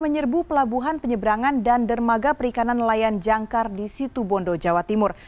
menyerbu pelabuhan penyeberangan dan dermaga perikanan nelayan jangkar di situ bondo jawa timur